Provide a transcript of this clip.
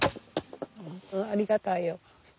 ありがたいよ。